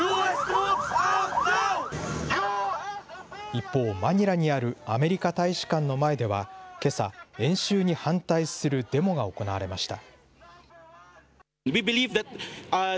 一方、マニラにあるアメリカ大使館の前では、けさ、演習に反対するデモが行われました。